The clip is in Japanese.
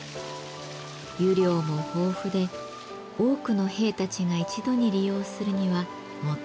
湯量も豊富で多くの兵たちが一度に利用するにはもってこいの場所。